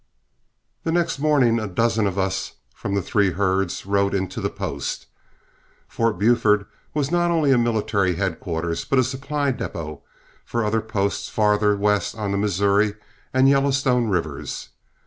The next morning a dozen of us from the three herds rode into the post. Fort Buford was not only a military headquarters, but a supply depot for other posts farther west on the Missouri and Yellowstone rivers.